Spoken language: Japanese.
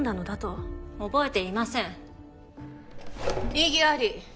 異議あり！